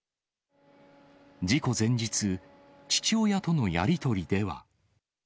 事故前日、父親とのやり取りでは。